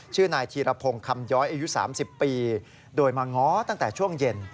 ชื่อนายธีรพงศ์คำย้อยอายุ๓๐ปีโดยมาง้อตั้งแต่ช่วงเย็น